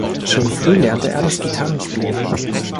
Schon früh lernte er das Gitarrenspiel.